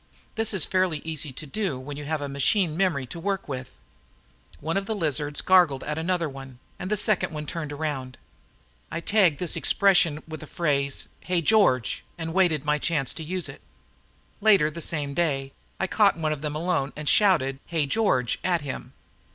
This is fairly easy to do when you have a machine memory to work with. One of the lizards gargled at another one and the second one turned around. I tagged this expression with the phrase, "Hey, George!" and waited my chance to use it. Later the same day, I caught one of them alone and shouted "Hey, George!" at him.